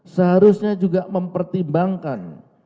seharusnya juga mempertimbangkan